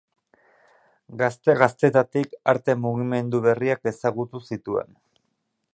Gazte-gaztetatik arte-mugimendu berriak ezagutu zituen.